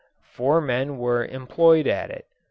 Four men were employed at it.